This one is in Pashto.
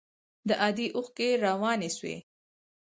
د ادې اوښکې روانې سوې.